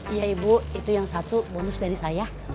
iya ibu itu yang satu bonus dari saya